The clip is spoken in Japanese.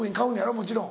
もちろん。